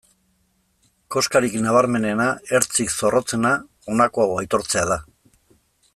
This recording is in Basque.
Koskarik nabarmenena, ertzik zorrotzena, honako hau aitortzea da.